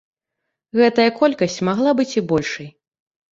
Гэтая колькасць магла быць і большай.